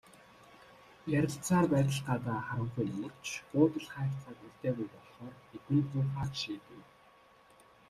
Ярилцсаар байтал гадаа харанхуй нөмөрч, буудал хайх цаг үлдээгүй болохоор эднийд буухаар шийдэв.